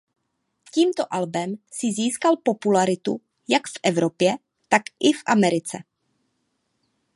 Tímto albem si získali popularitu jak v Evropě tak i v Americe.